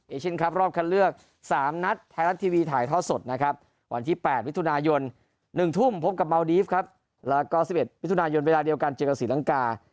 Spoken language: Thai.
เชียนครับรอบคันเลือก๓นัดไทยรัฐทีวีถ่ายท่อสดนะครับวันที่๘มิถุนายน๑ทุ่มพบกับเมาดีฟครับแล้วก็๑๑มิถุนายนเวลาเดียวกันเจอกับศรีลังกา